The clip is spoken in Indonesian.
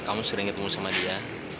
kamu sering ketemu sama dia